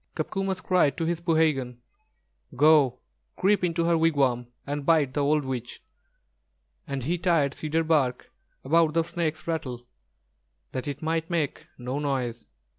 Copcomus cried to his poohegan: "Go, creep into her wigwam and bite the old witch;" and he tied cedar bark about the snake's rattle, that it might make no noise.